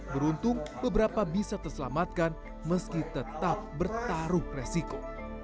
beruntung beberapa bisa terselamatkan meski tetap bertaruh resiko